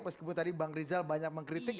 meskipun tadi bang rizal banyak mengkritik